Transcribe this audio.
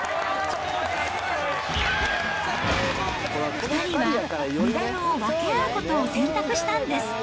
２人はメダルを分け合うことを選択したんです。